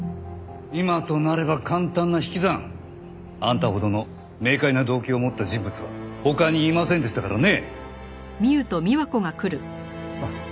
今となれば簡単な引き算。あんたほどの明快な動機を持った人物は他にいませんでしたからね。